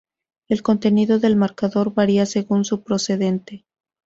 El contenido del marcador varía según su procedente.